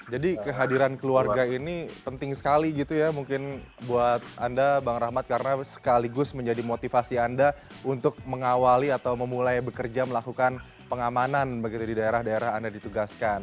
jadi kehadiran keluarga ini penting sekali gitu ya mungkin buat anda bang rahmat karena sekaligus menjadi motivasi anda untuk mengawali atau memulai bekerja melakukan pengamanan begitu di daerah daerah anda ditugaskan